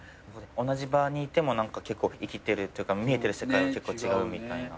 同じ場にいても生きてるっていうか見えてる世界が結構違うみたいな。